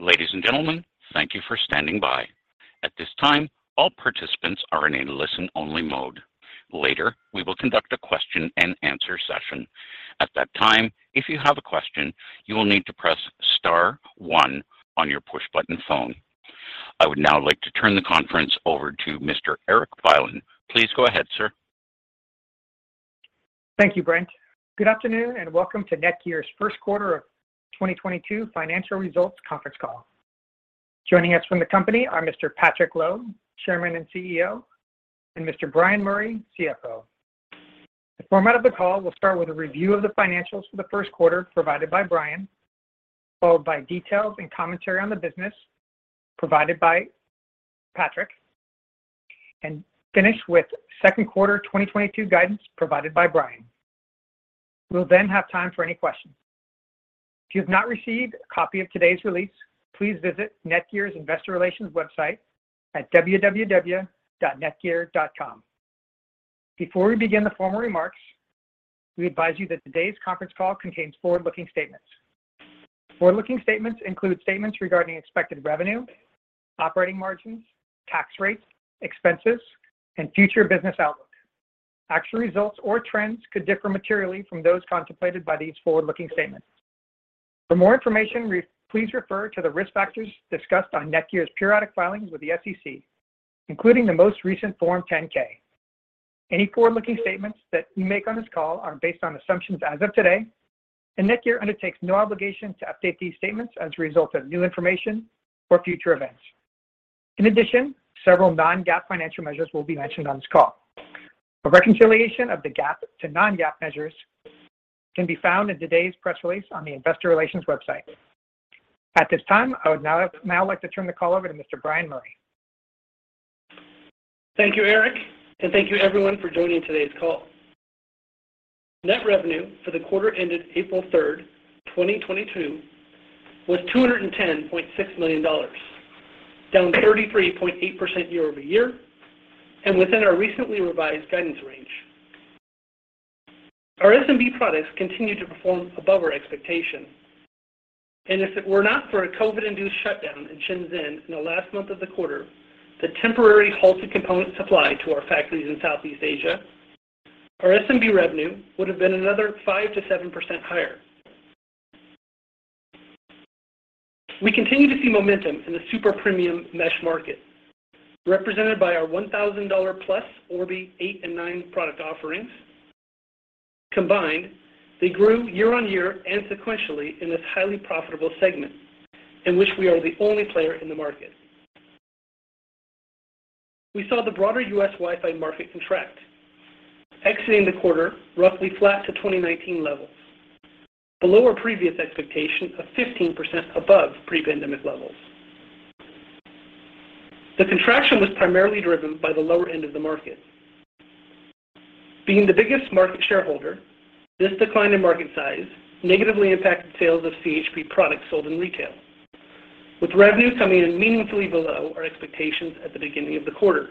Ladies and gentlemen, thank you for standing by. At this time, all participants are in a listen-only mode. Later, we will conduct a question-and-answer session. At that time, if you have a question, you will need to press star one on your push-button phone. I would now like to turn the conference over to Mr. Erik Bylin. Please go ahead, sir. Thank you, Brent. Good afternoon, and welcome to NETGEAR's first quarter of 2022 financial results conference call. Joining us from the company are Mr. Patrick Lo, Chairman and CEO, and Mr. Bryan Murray, CFO. The format of the call will start with a review of the financials for the first quarter provided by Bryan, followed by details and commentary on the business provided by Patrick, and finish with second quarter 2022 guidance provided by Bryan. We'll then have time for any questions. If you've not received a copy of today's release, please visit NETGEAR's investor relations website at www.netgear.com. Before we begin the formal remarks, we advise you that today's conference call contains forward-looking statements. Forward-looking statements include statements regarding expected revenue, operating margins, tax rates, expenses, and future business outlook. Actual results or trends could differ materially from those contemplated by these forward-looking statements. For more information, please refer to the risk factors discussed on NETGEAR's periodic filings with the SEC, including the most recent Form 10-K. Any forward-looking statements that we make on this call are based on assumptions as of today, and NETGEAR undertakes no obligation to update these statements as a result of new information or future events. In addition, several non-GAAP financial measures will be mentioned on this call. A reconciliation of the GAAP to non-GAAP measures can be found in today's press release on the investor relations website. At this time, I would now like to turn the call over to Mr. Bryan Murray. Thank you, Erik, and thank you everyone for joining today's call. Net revenue for the quarter ended April 3rd, 2022 was $210.6 million, down 33.8% year-over-year and within our recently revised guidance range. Our SMB products continue to perform above our expectation, and if it were not for a COVID-induced shutdown in Shenzhen in the last month of the quarter that temporarily halted component supply to our factories in Southeast Asia, our SMB revenue would have been another 5%-7% higher. We continue to see momentum in the super premium mesh market, represented by our $1,000+ Orbi 8 and 9 product offerings. Combined, they grew year-on-year and sequentially in this highly profitable segment in which we are the only player in the market. We saw the broader U.S. Wi-Fi market contract, exiting the quarter roughly flat to 2019 levels, below our previous expectation of 15% above pre-pandemic levels. The contraction was primarily driven by the lower end of the market. Being the biggest market shareholder, this decline in market size negatively impacted sales of CHP products sold in retail, with revenue coming in meaningfully below our expectations at the beginning of the quarter.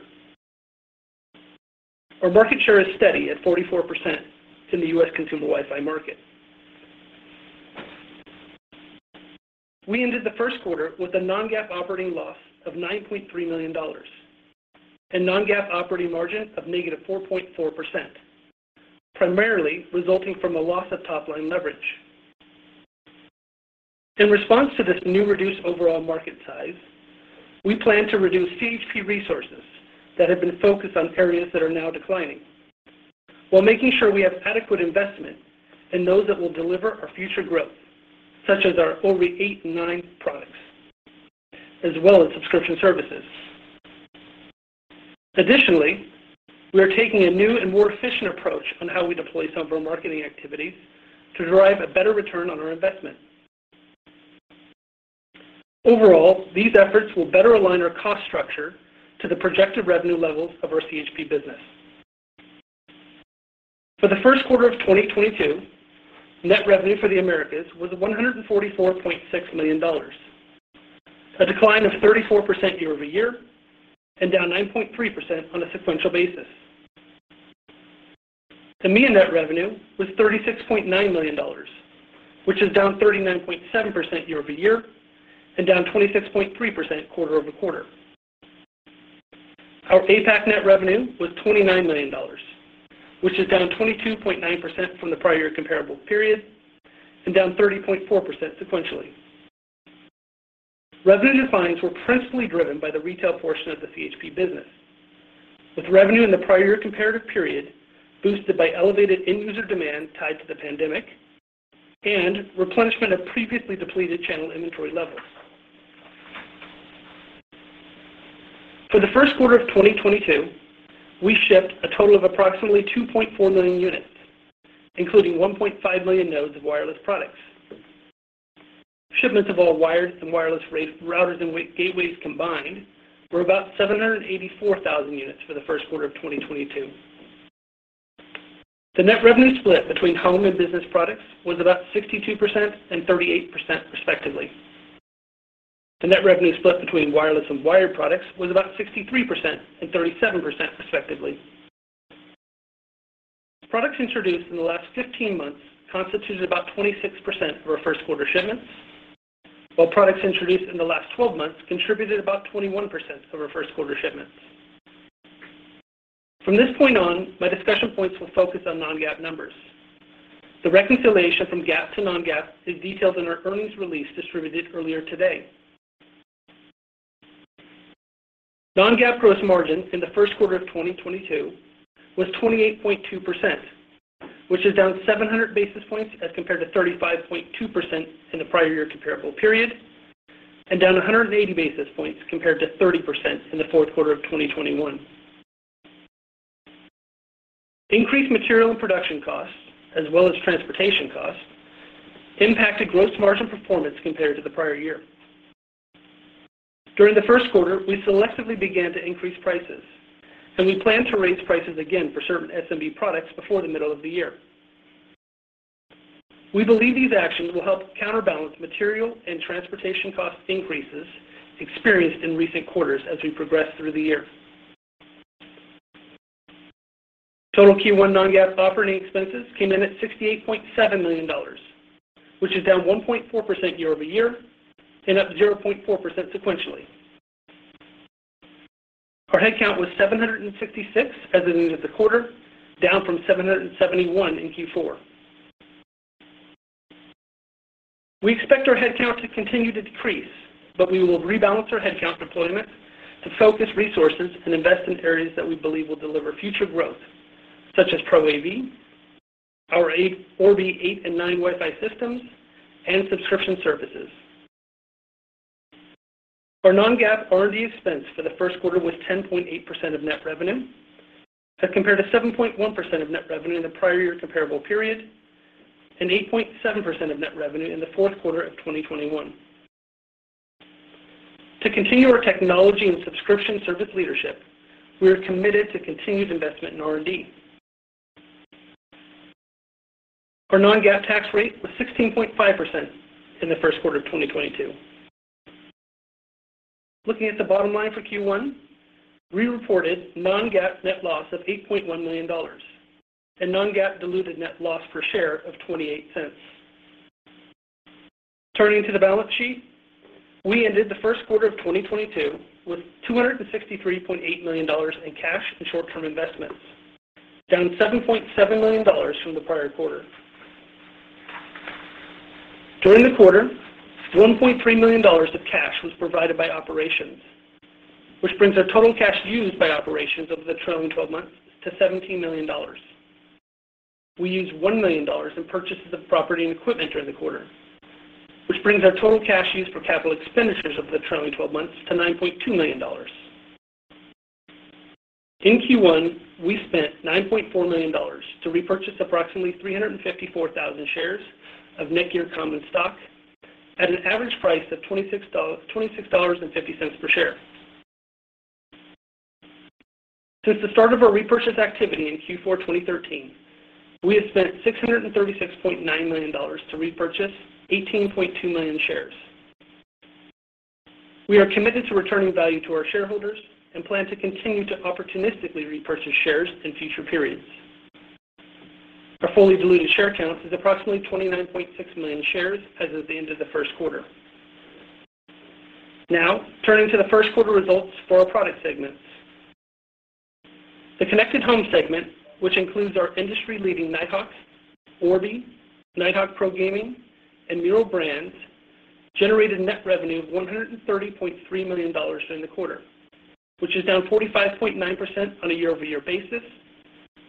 Our market share is steady at 44% in the U.S. consumer Wi-Fi market. We ended the first quarter with a non-GAAP operating loss of $9.3 million and non-GAAP operating margin of -4.4%, primarily resulting from a loss of top-line leverage. In response to this new reduced overall market size, we plan to reduce CHP resources that have been focused on areas that are now declining while making sure we have adequate investment in those that will deliver our future growth, such as our Orbi 8 and 9 products, as well as subscription services. Additionally, we are taking a new and more efficient approach on how we deploy some of our marketing activities to drive a better return on our investment. Overall, these efforts will better align our cost structure to the projected revenue levels of our CHP business. For the first quarter of 2022, net revenue for the Americas was $144.6 million, a decline of 34% year-over-year and down 9.3% on a sequential basis. EMEA net revenue was $36.9 million, which is down 39.7% year-over-year and down 26.3% quarter-over-quarter. Our APAC net revenue was $29 million, which is down 22.9% from the prior comparable period and down 30.4% sequentially. Revenue declines were principally driven by the retail portion of the CHP business, with revenue in the prior comparative period boosted by elevated end user demand tied to the pandemic and replenishment of previously depleted channel inventory levels. For the first quarter of 2022, we shipped a total of approximately 2.4 million units, including 1.5 million nodes of wireless products. Shipments of all wired and wireless routers and gateways combined were about 784,000 units for the first quarter of 2022. The net revenue split between home and business products was about 62% and 38%, respectively. The net revenue split between wireless and wired products was about 63% and 37%, respectively. Products introduced in the last 15 months constituted about 26% of our first quarter shipments, while products introduced in the last 12 months contributed about 21% of our first quarter shipments. From this point on, my discussion points will focus on non-GAAP numbers. The reconciliation from GAAP to non-GAAP is detailed in our earnings release distributed earlier today. Non-GAAP gross margin in the first quarter of 2022 was 28.2%, which is down 700 basis points as compared to 35.2% in the prior year comparable period, and down 180 basis points compared to 30% in the fourth quarter of 2021. Increased material and production costs, as well as transportation costs, impacted gross margin performance compared to the prior year. During the first quarter, we selectively began to increase prices, and we plan to raise prices again for certain SMB products before the middle of the year. We believe these actions will help counterbalance material and transportation cost increases experienced in recent quarters as we progress through the year. Total Q1 non-GAAP operating expenses came in at $68.7 million, which is down 1.4% year-over-year and up 0.4% sequentially. Our headcount was 766 as of the end of the quarter, down from 771 in Q4. We expect our headcount to continue to decrease, but we will rebalance our headcount deployment to focus resources and invest in areas that we believe will deliver future growth, such as Pro AV, our Orbi 8 and 9 Wi-Fi systems, and subscription services. Our non-GAAP R&D expense for the first quarter was 10.8% of net revenue as compared to 7.1% of net revenue in the prior year comparable period, and 8.7% of net revenue in the fourth quarter of 2021. To continue our technology and subscription service leadership, we are committed to continued investment in R&D. Our non-GAAP tax rate was 16.5% in the first quarter of 2022. Looking at the bottom line for Q1, we reported non-GAAP net loss of $8.1 million and non-GAAP diluted net loss per share of $0.28. Turning to the balance sheet, we ended the first quarter of 2022 with $263.8 million in cash and short-term investments, down $7.7 million from the prior quarter. During the quarter, $1.3 million of cash was provided by operations, which brings our total cash used by operations over the trailing 12 months to $17 million. We used $1 million in purchases of property and equipment during the quarter, which brings our total cash used for capital expenditures over the trailing 12 months to $9.2 million. In Q1, we spent $9.4 million to repurchase approximately 354,000 shares of NETGEAR common stock at an average price of $26.50 per share. Since the start of our repurchase activity in Q4 2013, we have spent $636.9 million to repurchase 18.2 million shares. We are committed to returning value to our shareholders and plan to continue to opportunistically repurchase shares in future periods. Our fully diluted share count is approximately 29.6 million shares as of the end of the first quarter. Now, turning to the first quarter results for our product segments. The Connected Home segment, which includes our industry-leading Nighthawk, Orbi, Nighthawk Pro Gaming, and Meural brands, generated net revenue of $130.3 million during the quarter, which is down 45.9% on a year-over-year basis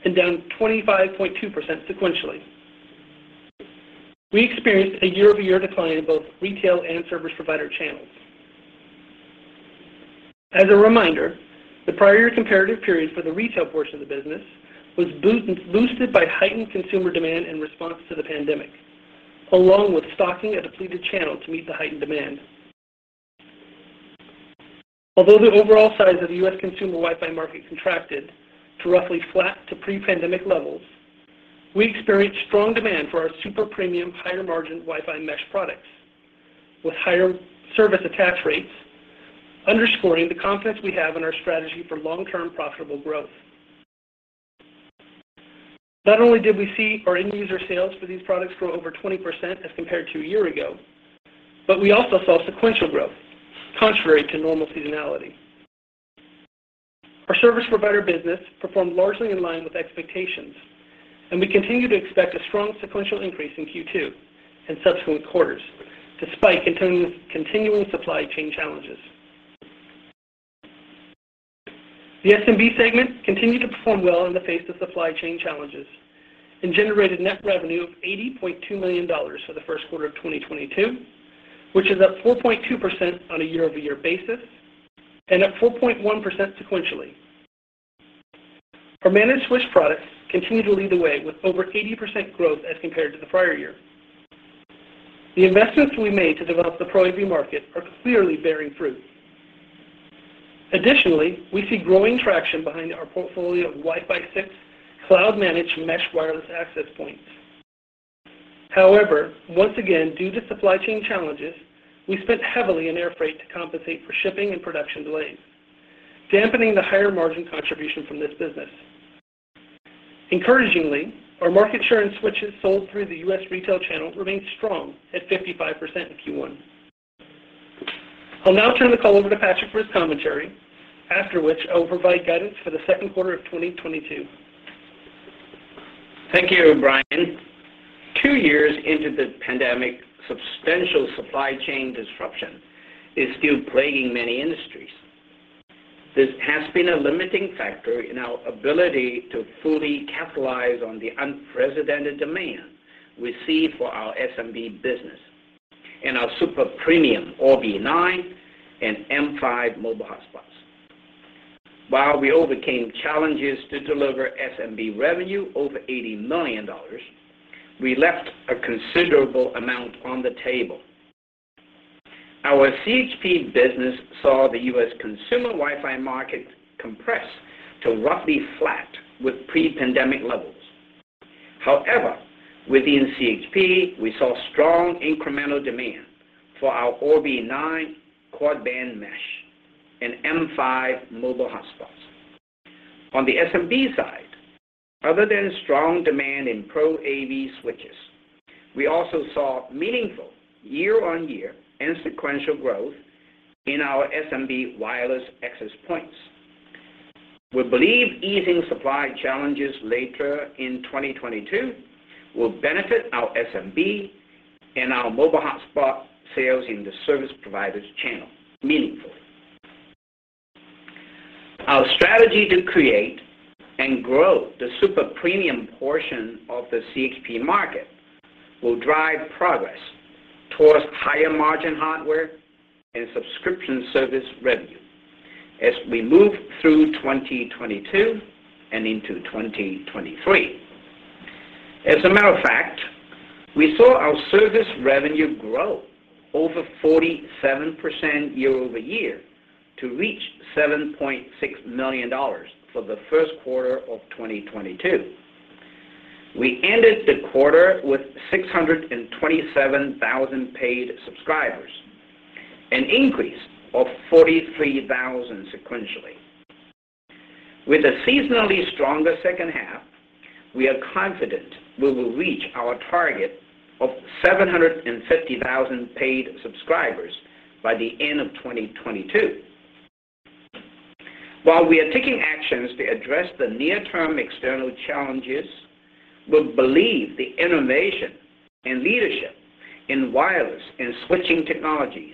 and down 25.2% sequentially. We experienced a year-over-year decline in both retail and service provider channels. As a reminder, the prior year comparative period for the retail portion of the business was boosted by heightened consumer demand in response to the pandemic, along with stocking a depleted channel to meet the heightened demand. Although the overall size of the U.S. consumer Wi-Fi market contracted to roughly flat to pre-pandemic levels, we experienced strong demand for our super premium higher margin Wi-Fi mesh products with higher service attach rates, underscoring the confidence we have in our strategy for long-term profitable growth. Not only did we see our end user sales for these products grow over 20% as compared to a year ago, but we also saw sequential growth, contrary to normal seasonality. Our service provider business performed largely in line with expectations, and we continue to expect a strong sequential increase in Q2 and subsequent quarters, despite continuing supply chain challenges. The SMB segment continued to perform well in the face of supply chain challenges and generated net revenue of $80.2 million for the first quarter of 2022, which is up 4.2% on a year-over-year basis and up 4.1% sequentially. Our managed switch products continued to lead the way with over 80% growth as compared to the prior year. The investments we made to develop the Pro AV market are clearly bearing fruit. Additionally, we see growing traction behind our portfolio of Wi-Fi 6 cloud-managed mesh wireless access points. However, once again, due to supply chain challenges, we spent heavily in air freight to compensate for shipping and production delays, dampening the higher margin contribution from this business. Encouragingly, our market share and switches sold through the U.S. retail channel remains strong at 55% in Q1. I'll now turn the call over to Patrick for his commentary, after which I'll provide guidance for the second quarter of 2022. Thank you, Bryan. Two years into the pandemic, substantial supply chain disruption is still plaguing many industries. This has been a limiting factor in our ability to fully capitalize on the unprecedented demand we see for our SMB business and our super premium Orbi 9 and M5 mobile hotspots. While we overcame challenges to deliver SMB revenue over $80 million, we left a considerable amount on the table. Our CHP business saw the US consumer Wi-Fi market compress to roughly flat with pre-pandemic levels. However, within CHP, we saw strong incremental demand for our Orbi 9 quad-band mesh and M5 mobile hotspots. On the SMB side, other than strong demand in Pro AV switches, we also saw meaningful year-on-year and sequential growth in our SMB wireless access points. We believe easing supply challenges later in 2022 will benefit our SMB and our mobile hotspot sales in the service provider's channel meaningfully. Our strategy to create and grow the super premium portion of the CHP market will drive progress towards higher margin hardware and subscription service revenue as we move through 2022 and into 2023. As a matter of fact, we saw our service revenue grow over 47% year-over-year to reach $7.6 million for the first quarter of 2022. We ended the quarter with 627,000 paid subscribers, an increase of 43,000 sequentially. With a seasonally stronger second half, we are confident we will reach our target of 750,000 paid subscribers by the end of 2022. While we are taking actions to address the near-term external challenges, we believe the innovation and leadership in wireless and switching technologies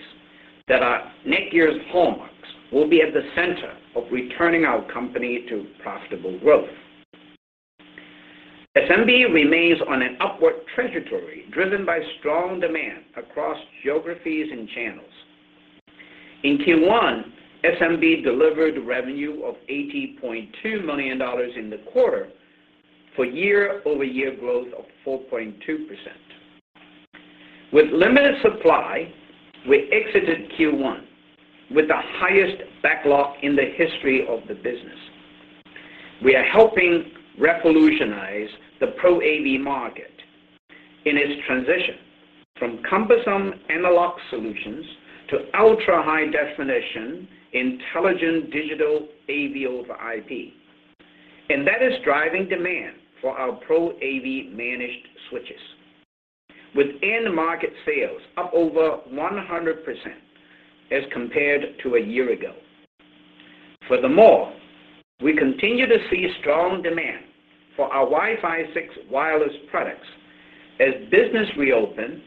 that are NETGEAR's hallmarks will be at the center of returning our company to profitable growth. SMB remains on an upward trajectory driven by strong demand across geographies and channels. In Q1, SMB delivered revenue of $80.2 million in the quarter for year-over-year growth of 4.2%. With limited supply, we exited Q1 with the highest backlog in the history of the business. We are helping revolutionize the Pro AV market in its transition from cumbersome analog solutions to ultra-high definition, intelligent digital AV over IP. That is driving demand for our Pro AV managed switches, with end market sales up over 100% as compared to a year ago. Furthermore, we continue to see strong demand for our Wi-Fi 6 wireless products as businesses reopen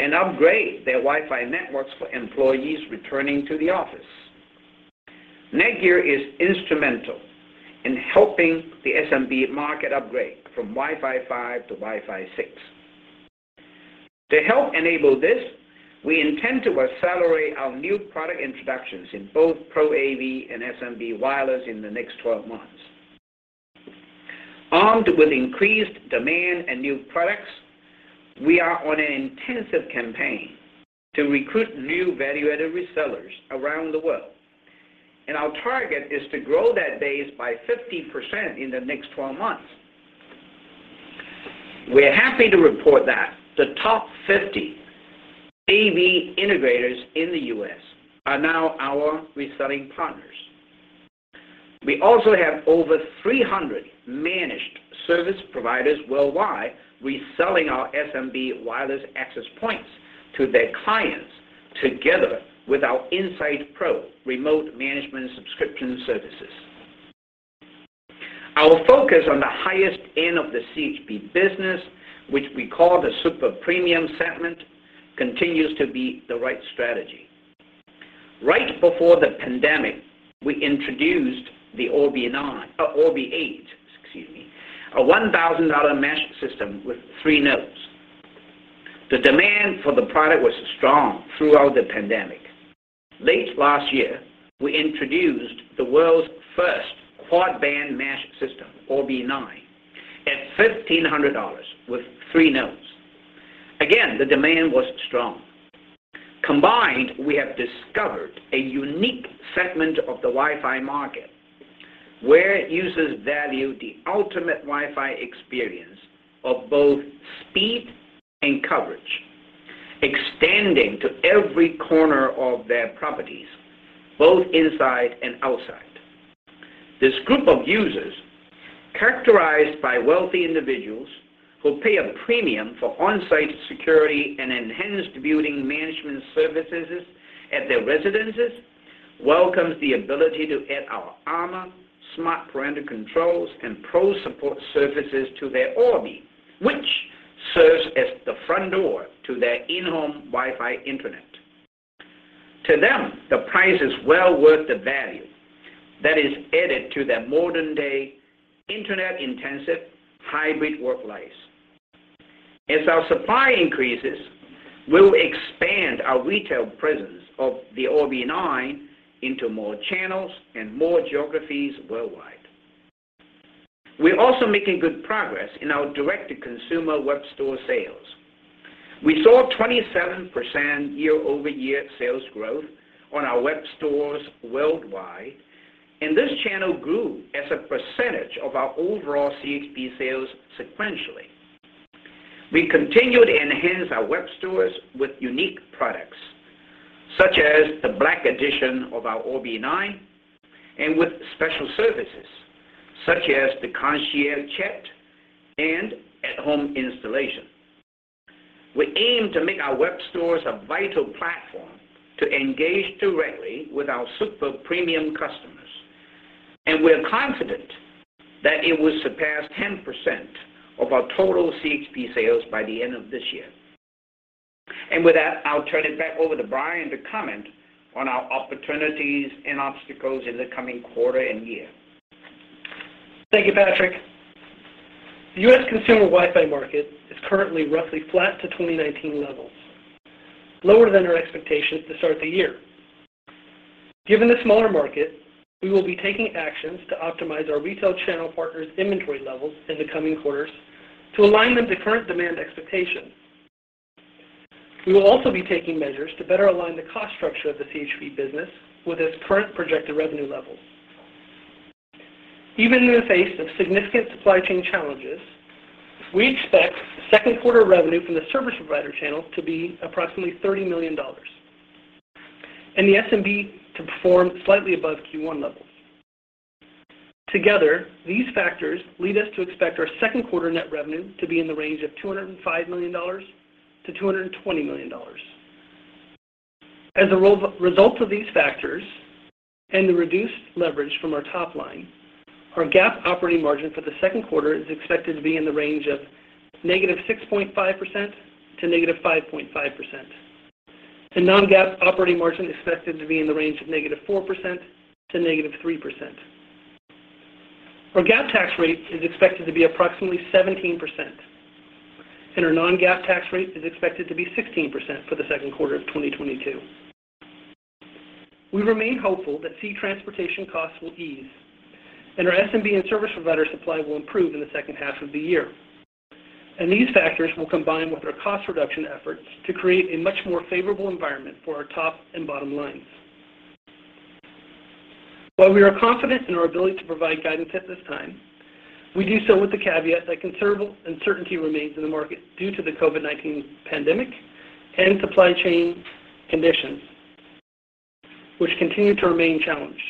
and upgrade their Wi-Fi networks for employees returning to the office. NETGEAR is instrumental in helping the SMB market upgrade from Wi-Fi 5 to Wi-Fi 6. To help enable this, we intend to accelerate our new product introductions in both Pro AV and SMB wireless in the next 12 months. Armed with increased demand and new products, we are on an intensive campaign to recruit new value-added resellers around the world, and our target is to grow that base by 50% in the next 12 months. We're happy to report that the top 50 AV integrators in the U.S. are now our reselling partners. We also have over 300 managed service providers worldwide reselling our SMB wireless access points to their clients together with our Insight Pro remote management subscription services. Our focus on the highest end of the CHP business, which we call the super premium segment, continues to be the right strategy. Right before the pandemic, we introduced the Orbi 8, excuse me, a $1,000 mesh system with 3 nodes. The demand for the product was strong throughout the pandemic. Late last year, we introduced the world's first quad-band mesh system, Orbi 9, at $1,500 with 3 nodes. Again, the demand was strong. Combined, we have discovered a unique segment of the Wi-Fi market where users value the ultimate Wi-Fi experience of both speed and coverage, extending to every corner of their properties, both inside and outside. This group of users, characterized by wealthy individuals who pay a premium for on-site security and enhanced building management services at their residences, welcomes the ability to add our Armor smart parental controls and pro support services to their Orbi, which serves as the front door to their in-home Wi-Fi internet. To them, the price is well worth the value that is added to their modern-day, internet-intensive hybrid work lives. As our supply increases, we'll expand our retail presence of the Orbi 9 into more channels and more geographies worldwide. We're also making good progress in our direct-to-consumer web store sales. We saw 27% year-over-year sales growth on our web stores worldwide, and this channel grew as a percentage of our overall CHP sales sequentially. We continue to enhance our web stores with unique products, such as the Black Edition of our Orbi 9, and with special services, such as the concierge chat and at-home installation. We aim to make our web stores a vital platform to engage directly with our super premium customers, and we're confident that it will surpass 10% of our total CHP sales by the end of this year. With that, I'll turn it back over to Bryan to comment on our opportunities and obstacles in the coming quarter and year. Thank you, Patrick. The U.S. consumer Wi-Fi market is currently roughly flat to 2019 levels, lower than our expectations to start the year. Given the smaller market, we will be taking actions to optimize our retail channel partners' inventory levels in the coming quarters to align them to current demand expectations. We will also be taking measures to better align the cost structure of the CHP business with its current projected revenue levels. Even in the face of significant supply chain challenges, we expect second quarter revenue from the service provider channel to be approximately $30 million, and the SMB to perform slightly above Q1 levels. Together, these factors lead us to expect our second quarter net revenue to be in the range of $205 million-$220 million. As a result of these factors and the reduced leverage from our top line, our GAAP operating margin for the second quarter is expected to be in the range of -6.5% to -5.5%. The non-GAAP operating margin expected to be in the range of -4% to -3%. Our GAAP tax rate is expected to be approximately 17%, and our non-GAAP tax rate is expected to be 16% for the second quarter of 2022. We remain hopeful that sea transportation costs will ease, and our SMB and service provider supply will improve in the second half of the year. These factors will combine with our cost reduction efforts to create a much more favorable environment for our top and bottom lines. While we are confident in our ability to provide guidance at this time, we do so with the caveat that uncertainty remains in the market due to the COVID-19 pandemic and supply chain conditions, which continue to remain challenged.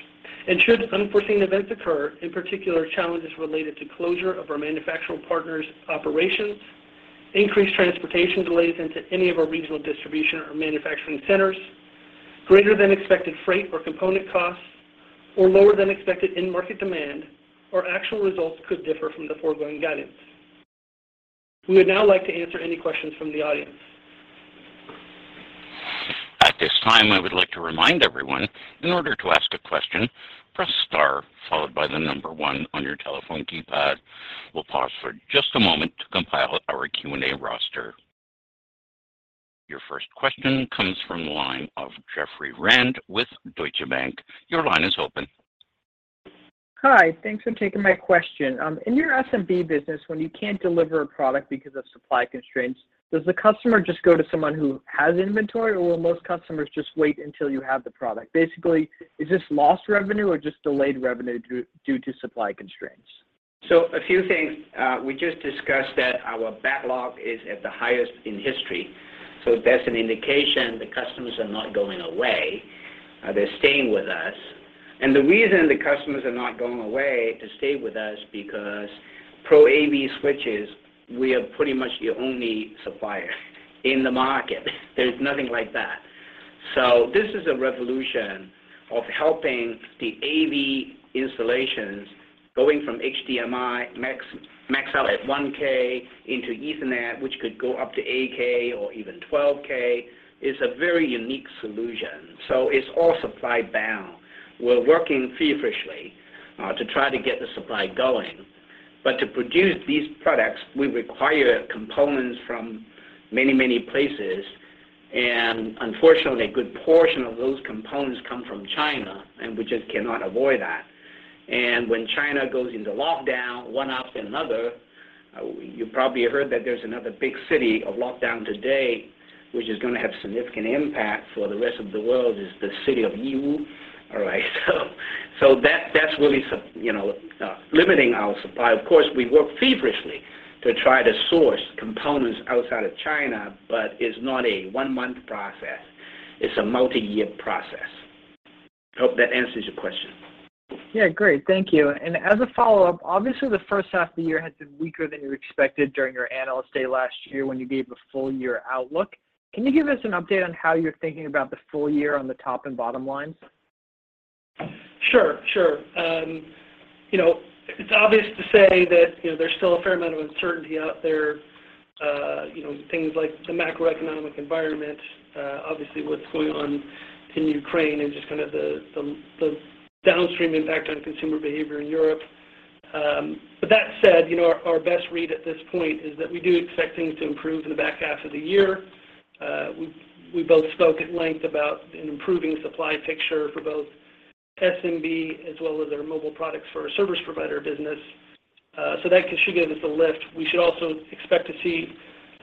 Should unforeseen events occur, in particular, challenges related to closure of our manufacturer partners' operations, increased transportation delays into any of our regional distribution or manufacturing centers, greater than expected freight or component costs, or lower than expected end market demand, our actual results could differ from the foregoing guidance. We would now like to answer any questions from the audience. At this time, I would like to remind everyone, in order to ask a question, press star followed by the number one on your telephone keypad. We'll pause for just a moment to compile our Q&A roster. Your first question comes from the line of Jeffrey Rand with Deutsche Bank. Your line is open. Hi. Thanks for taking my question. In your SMB business, when you can't deliver a product because of supply constraints, does the customer just go to someone who has inventory, or will most customers just wait until you have the product? Basically, is this lost revenue or just delayed revenue due to supply constraints? A few things. We just discussed that our backlog is at the highest in history. That's an indication the customers are not going away. They're staying with us. The reason the customers are not going away to stay with us because Pro AV switches, we are pretty much the only supplier in the market. There's nothing like that. This is a revolution of helping the AV installations going from HDMI max out at 1K into Ethernet, which could go up to 8K or even 12K. It's a very unique solution, so it's all supply bound. We're working feverishly to try to get the supply going. To produce these products, we require components from many, many places. Unfortunately, a good portion of those components come from China, and we just cannot avoid that. When China goes into lockdown, one after another, you probably have heard that there's another big city on lockdown today, which is gonna have significant impact for the rest of the world, is the city of Yiwu. All right. That's really you know limiting our supply. Of course, we work feverishly to try to source components outside of China, but it's not a one-month process, it's a multi-year process. Hope that answers your question. Yeah, great. Thank you. As a follow-up, obviously, the first half of the year has been weaker than you expected during your Analyst Day last year when you gave a full year outlook. Can you give us an update on how you're thinking about the full year on the top and bottom lines? Sure. You know, it's obvious to say that, you know, there's still a fair amount of uncertainty out there. You know, things like the macroeconomic environment, obviously what's going on in Ukraine and just kind of the downstream impact on consumer behavior in Europe. But that said, you know, our best read at this point is that we do expect things to improve in the back half of the year. We both spoke at length about an improving supply picture for both SMB as well as our mobile products for our service provider business. So that should give us a lift. We should also expect to see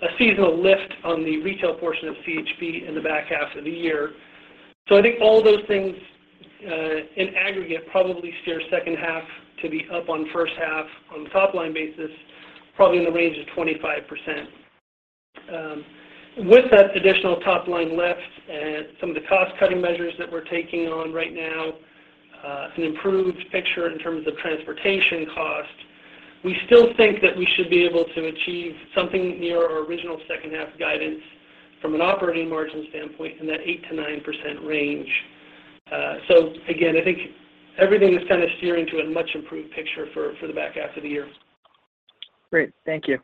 a seasonal lift on the retail portion of CHP in the back half of the year. I think all those things, in aggregate, probably steer second half to be up on first half on the top line basis, probably in the range of 25%. With that additional top line lift and some of the cost-cutting measures that we're taking on right now, an improved picture in terms of transportation costs, we still think that we should be able to achieve something near our original second half guidance from an operating margin standpoint in that 8%-9% range. Again, I think everything is kind of steering to a much improved picture for the back half of the year. Great. Thank you.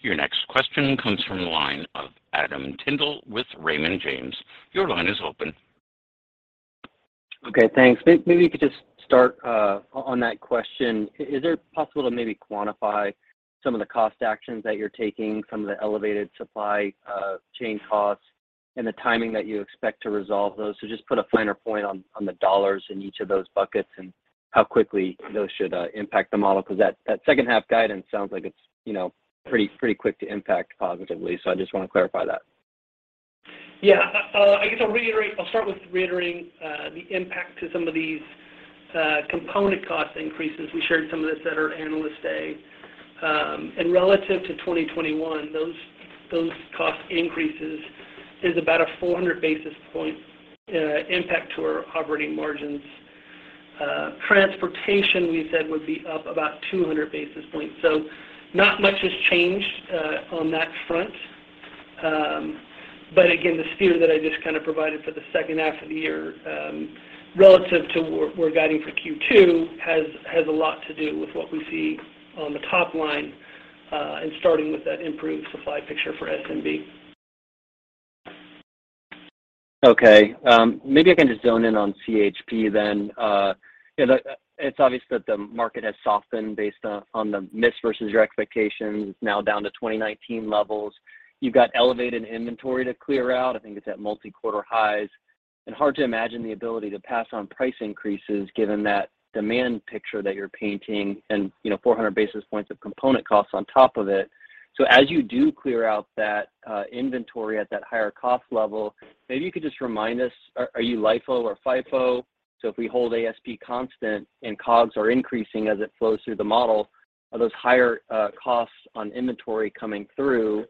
Your next question comes from the line of Adam Tindle with Raymond James. Your line is open. Okay, thanks. Maybe you could just start on that question. Is it possible to maybe quantify some of the cost actions that you're taking from the elevated supply chain costs and the timing that you expect to resolve those? Just put a finer point on the dollars in each of those buckets and how quickly those should impact the model, because that second half guidance sounds like it's, you know, pretty quick to impact positively. I just wanna clarify that. Yeah. I'll start with reiterating the impact to some of these component cost increases. We shared some of this at our Analyst Day. Relative to 2021, those cost increases is about a 400 basis point impact to our operating margins. Transportation, we said, would be up about 200 basis points. Not much has changed on that front. Again, the steer that I just kind of provided for the second half of the year, relative to where we're guiding for Q2, has a lot to do with what we see on the top line, and starting with that improved supply picture for SMB. Okay. Maybe I can just zone in on CHP then. You know, it's obvious that the market has softened based on the miss versus your expectations. It's now down to 2019 levels. You've got elevated inventory to clear out. I think it's at multi-quarter highs. Hard to imagine the ability to pass on price increases given that demand picture that you're painting and, you know, 400 basis points of component costs on top of it. As you do clear out that inventory at that higher cost level, maybe you could just remind us, are you LIFO or FIFO? If we hold ASP constant and COGS are increasing as it flows through the model, are those higher costs on inventory coming through?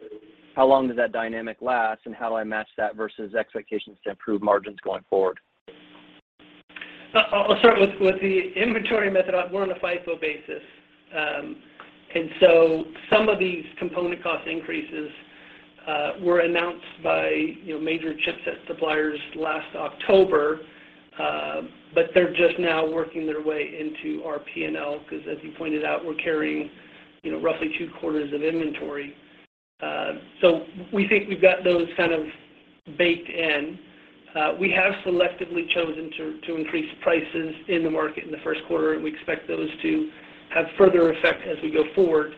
How long does that dynamic last, and how do I match that versus expectations to improve margins going forward? I'll start with the inventory method. We're on a FIFO basis. Some of these component cost increases were announced by, you know, major chipset suppliers last October, but they're just now working their way into our P&L because, as you pointed out, we're carrying, you know, roughly two quarters of inventory. We think we've got those kind of baked in. We have selectively chosen to increase prices in the market in the first quarter, and we expect those to have further effect as we go forward.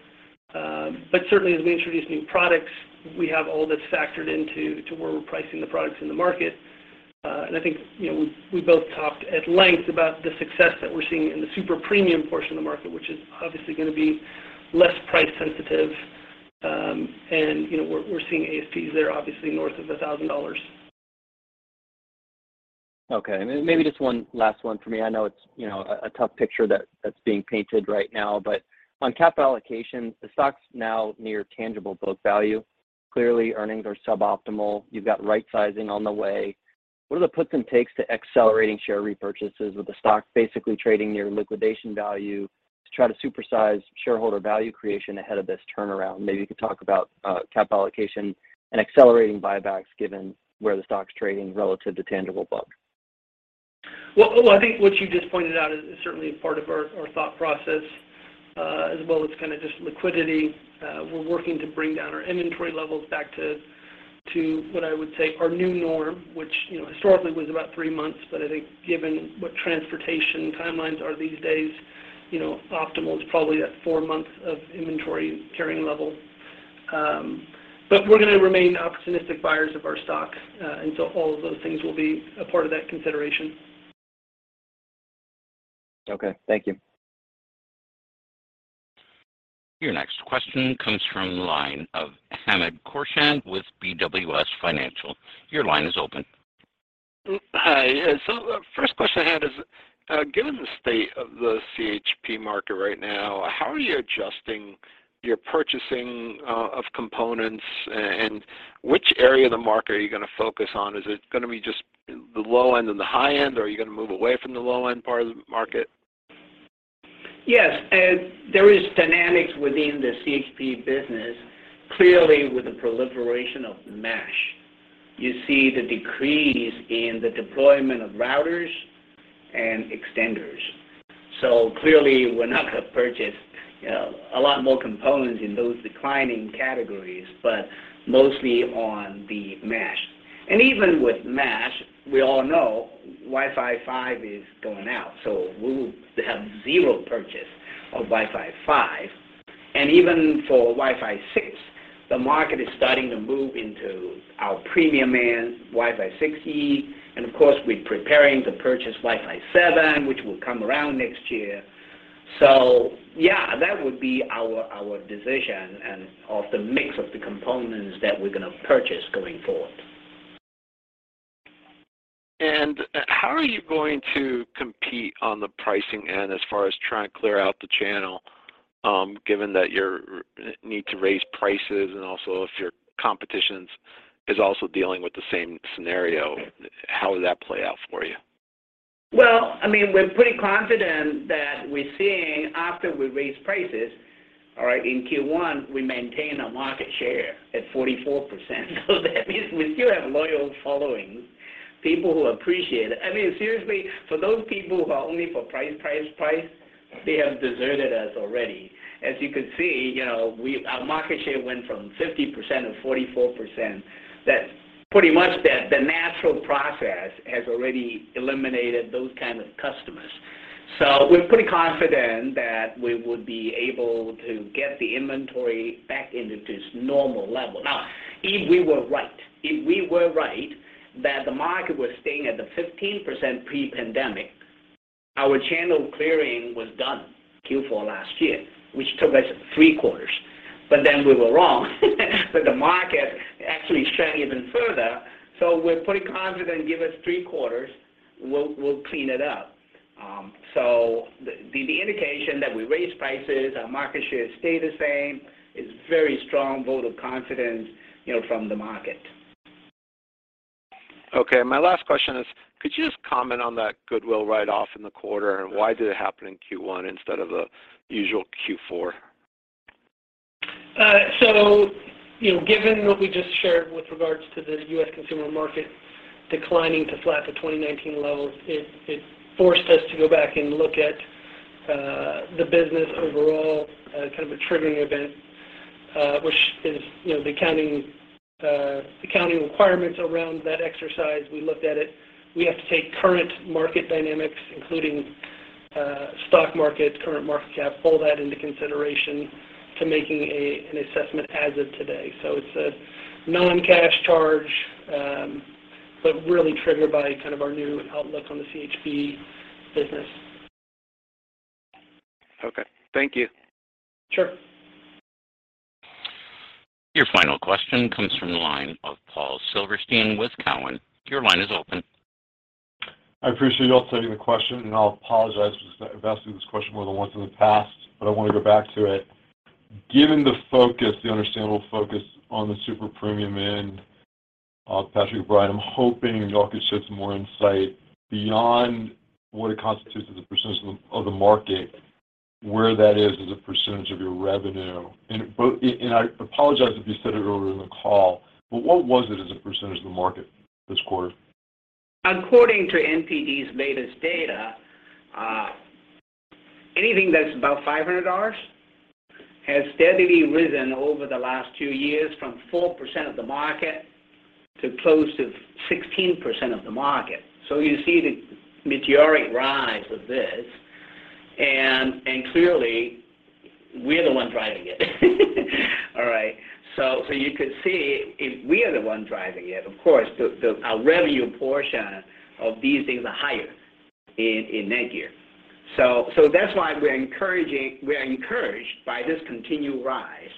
Certainly as we introduce new products, we have all this factored into where we're pricing the products in the market. I think, you know, we both talked at length about the success that we're seeing in the super premium portion of the market, which is obviously gonna be less price sensitive. You know, we're seeing ASPs there obviously north of $1,000. Okay. Maybe just one last one for me. I know it's, you know, a tough picture that's being painted right now. On capital allocation, the stock's now near tangible book value. Clearly, earnings are suboptimal. You've got right sizing on the way. What are the puts and takes to accelerating share repurchases with the stock basically trading near liquidation value to try to supersize shareholder value creation ahead of this turnaround? Maybe you could talk about cap allocation and accelerating buybacks given where the stock's trading relative to tangible book. Well, I think what you just pointed out is certainly part of our thought process, as well as kind of just liquidity. We're working to bring down our inventory levels back to what I would say our new norm, which you know, historically was about three months. I think given what transportation timelines are these days, you know, optimal is probably that four months of inventory carrying level. We're gonna remain opportunistic buyers of our stock, and so all of those things will be a part of that consideration. Okay. Thank you. Your next question comes from the line of Hamed Khorsand with BWS Financial. Your line is open. Hi. The first question I had is, given the state of the chip market right now, how are you adjusting your purchasing of components and which area of the market are you gonna focus on? Is it gonna be just the low end and the high end, or are you gonna move away from the low-end part of the market? Yes. There is dynamics within the CHP business. Clearly, with the proliferation of mesh, you see the decrease in the deployment of routers and extenders. Clearly, we're not gonna purchase, you know, a lot more components in those declining categories, but mostly on the mesh. Even with mesh, we all know Wi-Fi 5 is going out, so we will have zero purchase of Wi-Fi 5. Even for Wi-Fi 6, the market is starting to move into our premium end, Wi-Fi 6E, and of course, we're preparing to purchase Wi-Fi 7, which will come around next year. Yeah, that would be our decision on the mix of the components that we're gonna purchase going forward. How are you going to compete on the pricing end as far as trying to clear out the channel, given that your need to raise prices and also if your competition is also dealing with the same scenario, how would that play out for you? Well, I mean, we're pretty confident that we're seeing after we raise prices, all right, in Q1, we maintain our market share at 44%. That means we still have loyal followings, people who appreciate it. I mean, seriously, for those people who are only for price, price, they have deserted us already. As you can see, you know, our market share went from 50% to 44%. That's pretty much the natural process has already eliminated those kind of customers. We're pretty confident that we would be able to get the inventory back into this normal level. Now, if we were right that the market was staying at the 15% pre-pandemic, our channel clearing was done Q4 last year, which took us three quarters. We were wrong that the market actually shrank even further. We're pretty confident, give us three quarters, we'll clean it up. The indication that we raised prices, our market share stayed the same is very strong vote of confidence, you know, from the market. Okay. My last question is, could you just comment on that goodwill write-off in the quarter, and why did it happen in Q1 instead of the usual Q4? You know, given what we just shared with regards to the U.S. consumer market declining to flat to 2019 levels, it forced us to go back and look at the business overall, kind of a triggering event, which is, you know, the accounting requirements around that exercise. We looked at it. We have to take current market dynamics, including stock market, current market cap, pull that into consideration in making an assessment as of today. It's a non-cash charge, but really triggered by kind of our new outlook on the CHP business. Okay. Thank you. Sure. Your final question comes from the line of Paul Silverstein with Cowen. Your line is open. I appreciate y'all taking the question, and I'll apologize because I've asked you this question more than once in the past, but I wanna go back to it. Given the focus, the understandable focus on the super premium end, Paul Silverstein, I'm hoping you all could shed some more insight beyond what it constitutes as a percentage of the market, where that is as a percentage of your revenue. I apologize if you said it earlier in the call, but what was it as a percentage of the market this quarter? According to NPD's latest data, anything that's above $500 has steadily risen over the last two years from 4% of the market to close to 16% of the market. You see the meteoric rise of this. Clearly, we're the ones driving it. You could see if we are the one driving it, of course, our revenue portion of these things are higher in NETGEAR. That's why we are encouraged by this continued rise.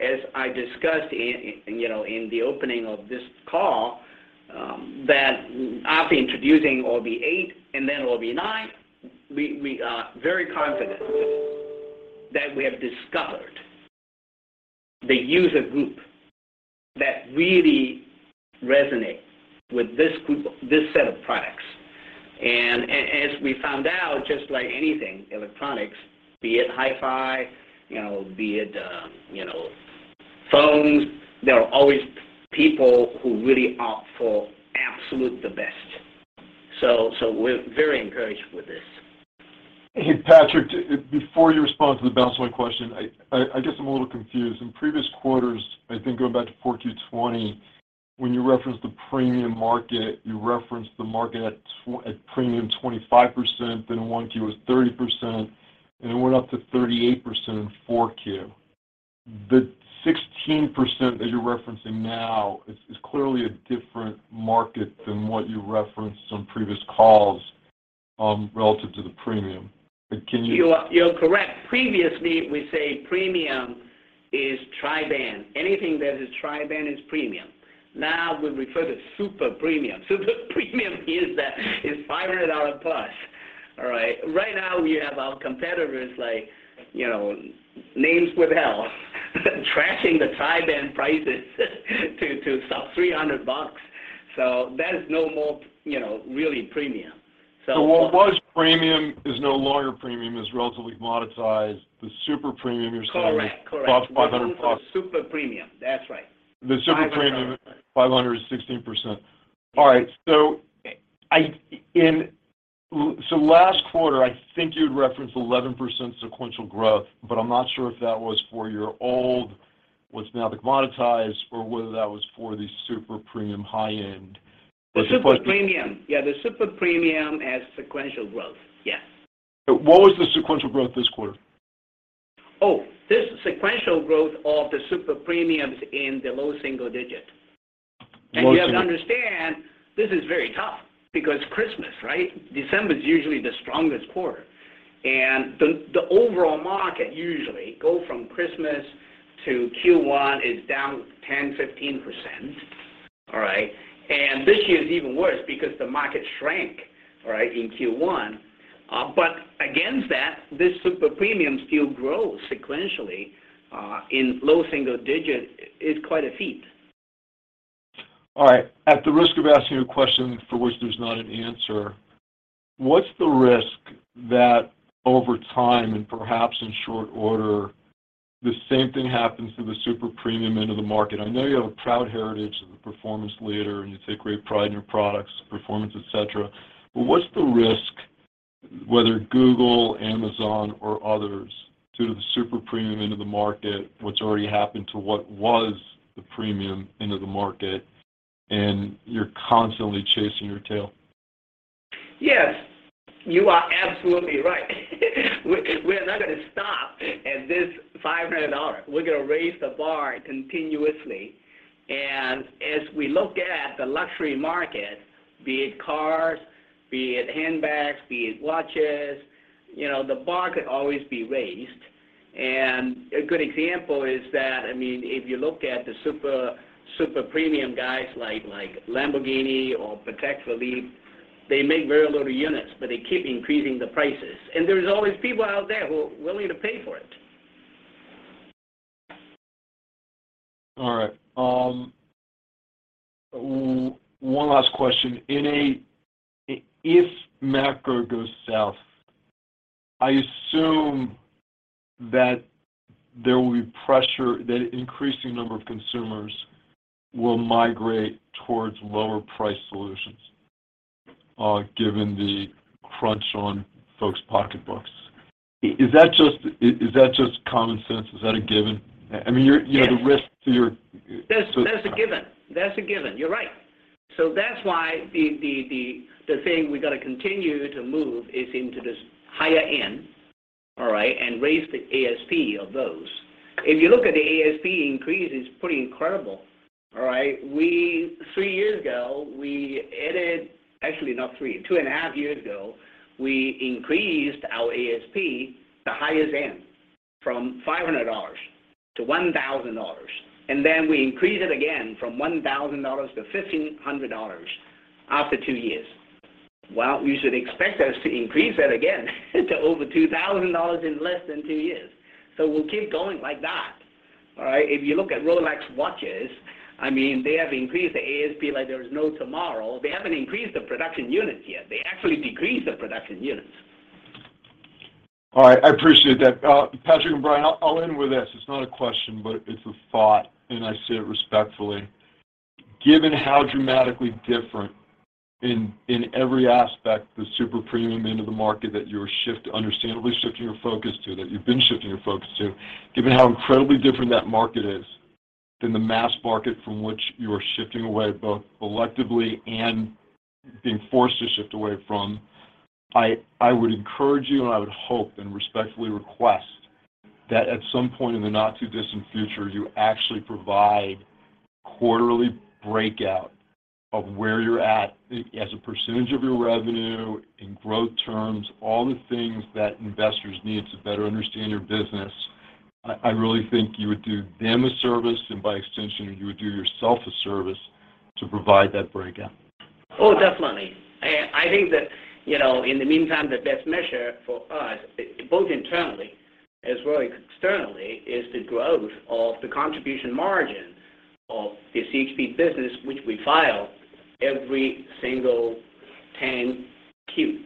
As I discussed, you know, in the opening of this call, that after introducing Orbi 8 and then Orbi 9, we are very confident that we have discovered the user group that really resonate with this group, this set of products. As we found out, just like anything electronics, be it hi-fi, you know, be it, you know, phones, there are always people who really opt for absolute the best. We're very encouraged with this. Hey, Patrick, before you respond to the balance of my question, I guess I'm a little confused. In previous quarters, I think going back to 4Q 2020, when you reference the premium market, you reference the market at premium 25%, then in 1Q it was 30%, and it went up to 38% in 4Q. The 16% that you're referencing now is clearly a different market than what you referenced on previous calls, relative to the premium. Can you- You're correct. Previously, we say premium is tri-band. Anything that is tri-band is premium. Now, we refer to super premium. Super premium is that, is $500+. All right? Right now, we have our competitors like, you know, names withheld, trashing the tri-band prices to sub-$300. That is no more, you know, really premium. What was premium is no longer premium, is relatively commoditized. The super premium you're selling- Correct. Correct. plus 500 plus. Welcome to super premium. That's right. 500. The super premium, 516%. All right. Last quarter, I think you had referenced 11% sequential growth, but I'm not sure if that was for your old, what's now the commoditized, or whether that was for the super premium high-end. The super premium. Yeah, the super premium has sequential growth. Yes. What was the sequential growth this quarter? Oh, this sequential growth of the super premium's in the low single digit. Low single. You have to understand, this is very tough because Christmas, right? December's usually the strongest quarter. The overall market usually go from Christmas to Q1 is down 10%-15%. This year's even worse because the market shrank in Q1. But against that, this super premium still grows sequentially in low single digit is quite a feat. All right. At the risk of asking a question for which there's not an answer, what's the risk that over time, and perhaps in short order, the same thing happens to the super premium end of the market? I know you have a proud heritage as a performance leader, and you take great pride in your products, performance, et cetera. What's the risk, whether Google, Amazon, or others do to the super premium end of the market, what's already happened to what was the premium end of the market, and you're constantly chasing your tail? Yes, you are absolutely right. We're not gonna stop at this $500. We're gonna raise the bar continuously. As we look at the luxury market, be it cars, be it handbags, be it watches, you know, the bar could always be raised. A good example is that, I mean, if you look at the super premium guys like Lamborghini or Patek Philippe, they make very little units, but they keep increasing the prices. There's always people out there who are willing to pay for it. All right. One last question. If macro goes south, I assume that there will be pressure that an increasing number of consumers will migrate towards lower-priced solutions, given the crunch on folks' pocketbooks. Is that just common sense? Is that a given? I mean, you're Yes. You know, the risk to your- That's a given. You're right. That's why the thing we're gonna continue to move is into this higher end, all right, and raise the ASP of those. If you look at the ASP increase, it's pretty incredible. All right. Actually, not 3, 2.5 years ago, we increased our ASP, the highest end, from $500 to $1,000. Then we increased it again from $1,000 to $1,500 after 2 years. You should expect us to increase that again to over $2,000 in less than 2 years. We'll keep going like that. All right. If you look at Rolex watches, I mean, they have increased the ASP like there is no tomorrow. They haven't increased the production units yet. They actually decreased the production units. All right. I appreciate that. Patrick and Bryan, I'll end with this. It's not a question, but it's a thought, and I say it respectfully. Given how dramatically different in every aspect the super premium end of the market that you're understandably shifting your focus to, that you've been shifting your focus to, given how incredibly different that market is than the mass market from which you are shifting away, both electively and being forced to shift away from, I would encourage you, and I would hope and respectfully request that at some point in the not-too-distant future, you actually provide quarterly breakout of where you're at as a percentage of your revenue, in growth terms, all the things that investors need to better understand your business. I really think you would do them a service, and by extension, you would do yourself a service to provide that breakout. Oh, definitely. I think that, you know, in the meantime, the best measure for us, both internally as well as externally, is the growth of the contribution margin of the CHP business, which we file every single 10-Q.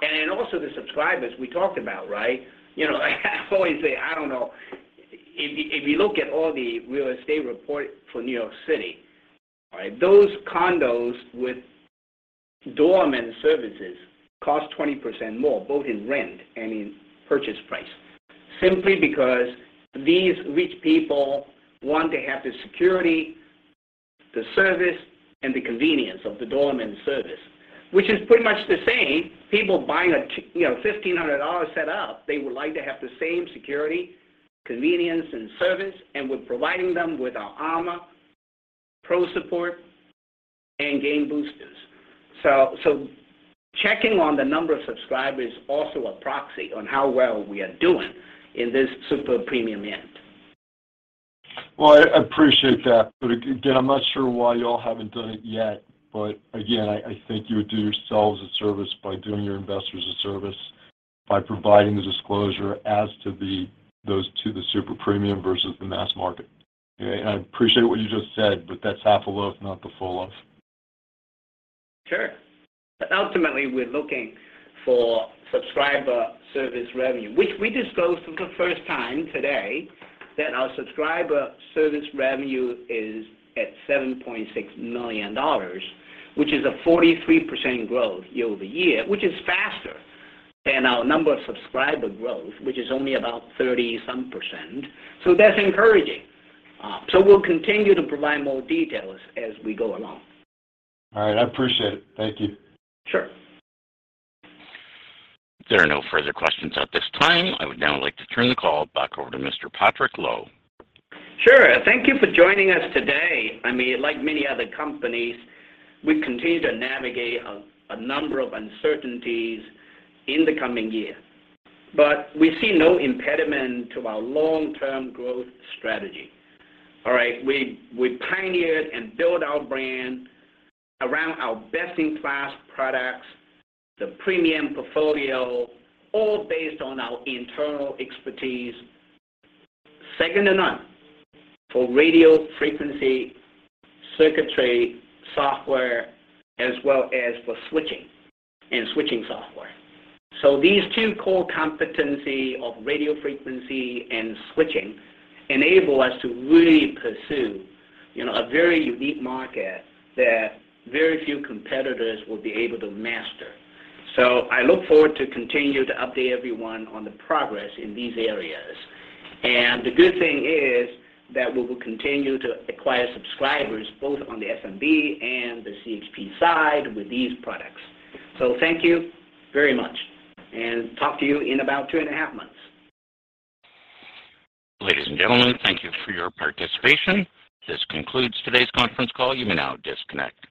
Then also the subscribers we talked about, right? You know, I always say, I don't know, if you, if you look at all the real estate report for New York City, all right, those condos with doorman services cost 20% more, both in rent and in purchase price, simply because these rich people want to have the security, the service, and the convenience of the doorman service. Which is pretty much the same, people buying, you know, a $1,500 set up, they would like to have the same security, convenience, and service, and we're providing them with our Armor, pro support, and game boosters. So checking on the number of subscribers is also a proxy on how well we are doing in this super premium end. Well, I appreciate that. Again, I'm not sure why y'all haven't done it yet. Again, I think you would do yourselves a service by doing your investors a service by providing the disclosure as to those two, the super premium versus the mass market. Okay? I appreciate what you just said, but that's half a loaf, not the full loaf. Sure. Ultimately, we're looking for subscriber service revenue, which we disclosed for the first time today that our subscriber service revenue is at $7.6 million, which is a 43% growth year-over-year, which is faster than our number of subscriber growth, which is only about 30-some%. That's encouraging. We'll continue to provide more details as we go along. All right. I appreciate it. Thank you. Sure. There are no further questions at this time. I would now like to turn the call back over to Mr. Patrick Lo. Sure. Thank you for joining us today. I mean, like many other companies, we continue to navigate a number of uncertainties in the coming year. We see no impediment to our long-term growth strategy. All right? We pioneered and built our brand around our best-in-class products, the premium portfolio, all based on our internal expertise, second to none for radio frequency circuitry software, as well as for switching and switching software. These two core competency of radio frequency and switching enable us to really pursue, you know, a very unique market that very few competitors will be able to master. I look forward to continue to update everyone on the progress in these areas. The good thing is that we will continue to acquire subscribers both on the SMB and the CHP side with these products. Thank you very much, and talk to you in about two and a half months. Ladies and gentlemen, thank you for your participation. This concludes today's conference call. You may now disconnect.